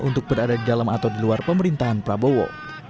untuk berada di dalam atau di luar pemerintahan prabowo